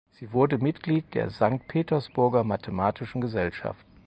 Sie wurde Mitglied der Sankt Petersburger Mathematischen Gesellschaft.